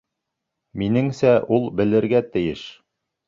Минеңсә, ул белергә тейеш.